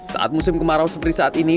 saat musim kemarau seperti saat ini